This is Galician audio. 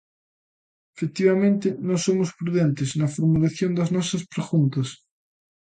Efectivamente, nós somos prudentes na formulación das nosas preguntas.